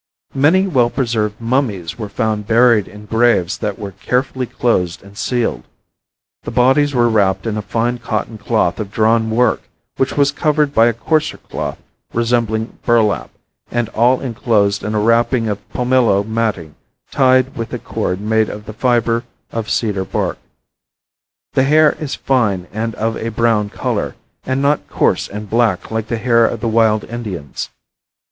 Many well preserved mummies were found buried in graves that were carefully closed and sealed. The bodies were wrapped in a fine cotton cloth of drawn work, which was covered by a coarser cloth resembling burlap, and all inclosed in a wrapping of palmillo matting tied with a cord made of the fiber of cedar bark. The hair is fine and of a brown color, and not coarse and black like the hair of the wild Indians.